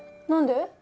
何で？